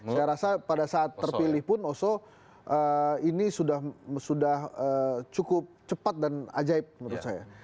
saya rasa pada saat terpilih pun oso ini sudah cukup cepat dan ajaib menurut saya